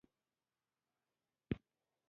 اساس یې د یوې سوکاله ټولنې جوړول دي.